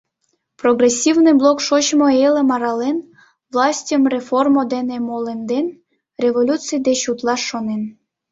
Прогрессивный блок шочмо элым арален, властьым реформо дене молемден, революций деч утлаш шонен.